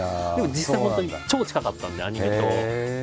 実際本当に超近かったんでアニメと。